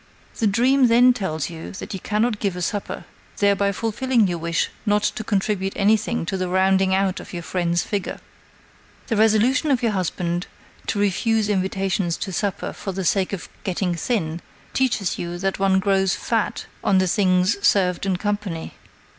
The dream then tells you that you cannot give a supper, thereby fulfilling your wish not to contribute anything to the rounding out of your friend's figure. The resolution of your husband to refuse invitations to supper for the sake of getting thin teaches you that one grows fat on the things served in company."